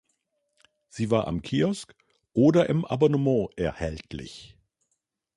Sie war am Kiosk oder im Abonnement erhältlich.